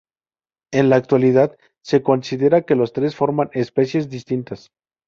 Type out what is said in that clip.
En la actualidad se considera que los tres forman especies distintas.